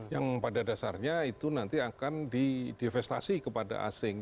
yang pada dasarnya itu nanti akan di devastasi kepada anak usaha